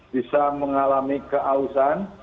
bisa mengalami keausan